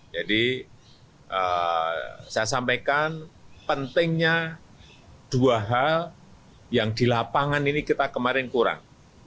jadi saya sampaikan pentingnya dua hal yang di lapangan ini kita kemarin kurang